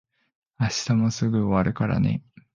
明日もすぐ終わるからね。